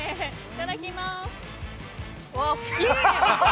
いただきます。